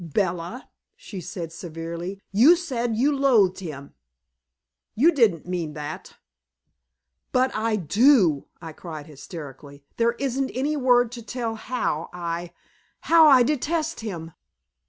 "Bella," she said severely, "you said you loathed him. You didn't mean that." "But I do!" I cried hysterically. "There isn't any word to tell how I how I detest him."